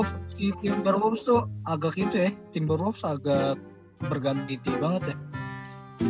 si tim ball rox itu agak gitu ya tim ball rox agak berganti ganti banget ya